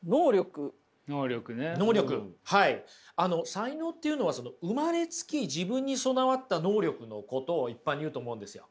才能っていうのはその生まれつき自分に備わった能力のことを一般に言うと思うんですよ。